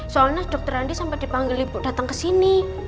soalnya dokter andi sampe dipanggil ibu dateng kesini